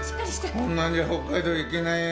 こんなんじゃ北海道行けないよ。